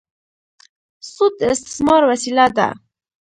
سود د استثمار وسیله ده.